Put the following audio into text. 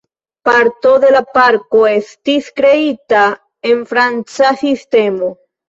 Parto de la parko estis kreita en franca sistemo.